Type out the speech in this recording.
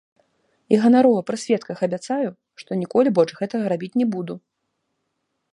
І ганарова пры сведках абяцаю, што ніколі больш гэтага рабіць не буду.